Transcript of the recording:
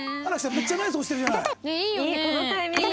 めっちゃＮＩＣＥ押してるじゃない。